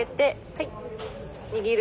「はい。握る。